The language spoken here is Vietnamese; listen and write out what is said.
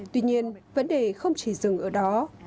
tuy nhiên vấn đề không chỉ dừng ở đó